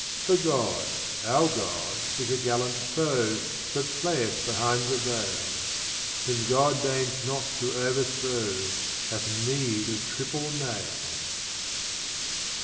For God, our God, is a gallant foe that playeth behind the veil, Whom God deigns not to overthrow Hath need of triple mail.